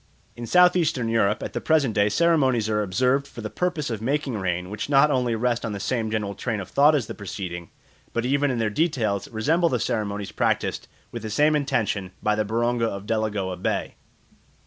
In South eastern Europe at the present day ceremonies are observed for the purpose of making rain which not only rest on the same general train of thought as the preceding, but even in their details resemble the ceremonies practised with the same intention by the Baronga of Delagoa Bay.